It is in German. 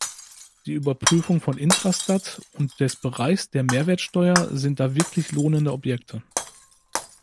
Die Überprüfung von Intrastat und des Bereichs der Mehrwertsteuer sind da wirklich lohnende Objekte.